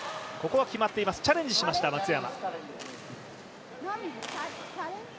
チャレンジしました、松山。